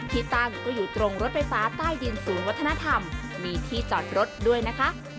ที่ตั้งก็อยู่ตรงรถไฟฟ้าใต้ดินศูนย์วัฒนธรรมมีที่จอดรถด้วยนะคะ